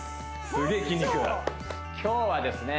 今日はですね